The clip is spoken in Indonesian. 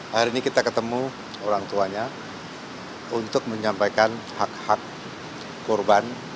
hari ini kita ketemu orang tuanya untuk menyampaikan hak hak korban